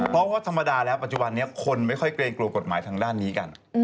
เพราะว่าธรรมดาแล้วปัจจุบันนี้คนไม่ค่อยเกรงกลัวกฎหมายทางด้านนี้กัน